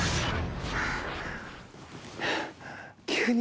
急に。